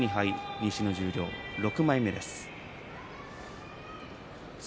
西の６枚目です。